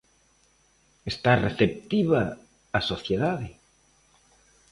Está receptiva a sociedade?